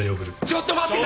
ちょっと待って。